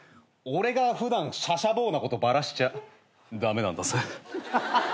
俺が普段しゃしゃぼうなことバラしちゃ駄目なんだぜ。